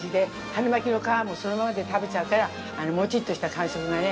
春巻きの皮もそのままで食べちゃうからもちっとした感触がね。